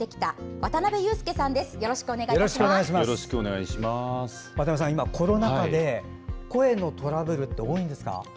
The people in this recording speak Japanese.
渡邊さん、今、コロナ禍で声のトラブルって多いんですか？